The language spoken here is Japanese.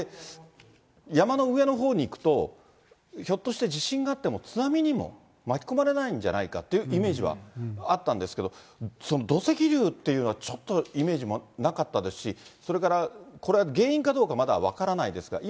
山の上のほうに行くと、ひょっとして地震があっても、津波にも巻き込まれないんじゃないかっていうイメージはあったんですけど、土石流っていうのはちょっと、イメージなかったですし、それからこれは原因かどうかまだ分からないですが、今、